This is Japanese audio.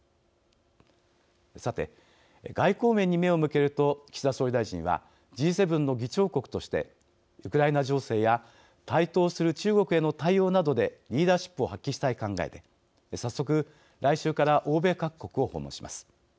さて、外交面に目を向けると岸田総理大臣はＧ７の議長国としてウクライナ情勢や台頭する中国への対応などでリーダーシップを発揮したい考えで早速、来週から欧米各国を訪問します。